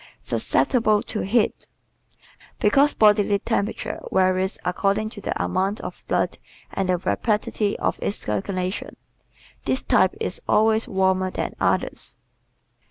Susceptible to Heat ¶ Because bodily temperature varies according to the amount of blood and the rapidity of its circulation, this type is always warmer than others.